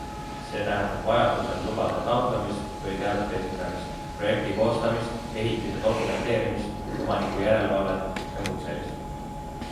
See tähendab vajadusel lubade taotlemist või teadete esitamist, projekti koostamist, ehitise dokumenteerimist, omanikujärelevalvet jms.